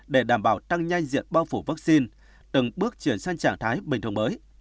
để đảm bảo tăng nhanh diện bao phủ vaccine từng bước chuyển sang trạng thái bình thường mới